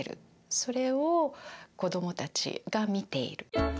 それを子どもたちが見ている。